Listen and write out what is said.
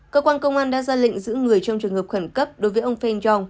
cơ quan công an đã ra lệnh giữ người trong trường hợp khẩn cấp đối với ông feng yong